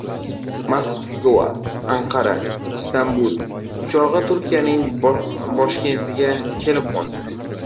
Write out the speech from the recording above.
Moskva — Anqara — Istambul uchog‘i Turkiyaning boshkentiga kelib qo‘ndi.